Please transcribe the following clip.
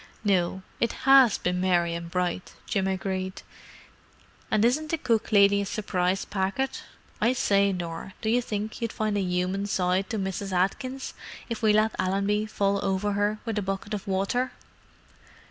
"No—it has been merry and bright," Jim agreed. "And isn't the cook lady a surprise packet! I say, Nor, do you think you'd find a human side to Mrs. Atkins if we let Allenby fall over her with a bucket of water?"